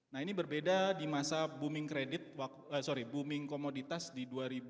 nah ini berbeda di masa booming kredit sorry booming komoditas di dua ribu dua puluh